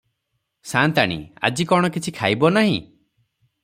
ସା’ନ୍ତାଣୀ – ଆଜି କ’ଣ କିଛି ଖାଇବ ନାହିଁ?